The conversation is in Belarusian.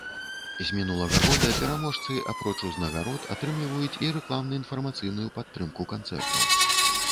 З мінулага года пераможцы апроч узнагарод атрымліваюць і рэкламна-інфармацыйную падтрымку канцэртаў.